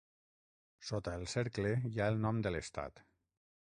Sota el cercle hi ha el nom de l'estat.